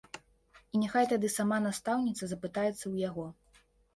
І няхай тады сама настаўніца запытаецца ў яго.